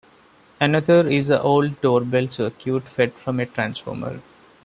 Another is the old door-bell circuit fed from a transformer.